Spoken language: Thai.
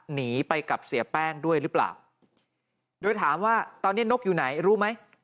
หนีไปกับเสียแป้งด้วยหรือเปล่าโดยถามว่าตอนนี้นกอยู่ไหนรู้ไหม